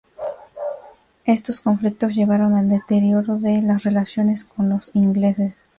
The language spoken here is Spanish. Estos conflictos llevaron al deterioro de las relaciones con los ingleses.